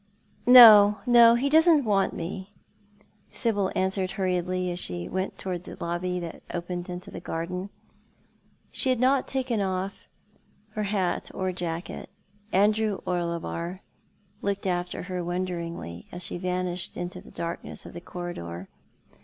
" No, no, he doesn't want me," Sibyl answered hurriedly, as she went towards the lobby that opened to the garden. She had not taken off her hat or jacket. Andrew Orlebar looked after her wonderiugly, as she vanished in the darkness of the corridor.